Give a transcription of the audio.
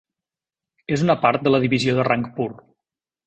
És una part de la divisió de Rangpur.